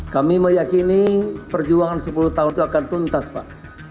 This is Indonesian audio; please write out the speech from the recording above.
kami meyakini perjuangan sepuluh tahun itu akan tuntas pak